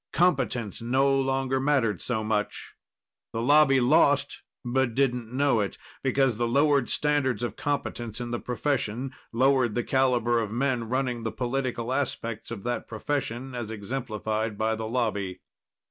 Competence no longer mattered so much. The Lobby lost, but didn't know it because the lowered standards of competence in the profession lowered the caliber of men running the political aspects of that profession as exemplified by the Lobby.